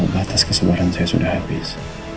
kalau batas kesembaran saya sudah habis